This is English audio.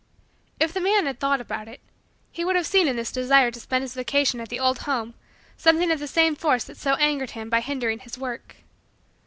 If the man had thought about it, he would have seen in this desire to spend his vacation at the old home something of the same force that so angered him by hindering his work.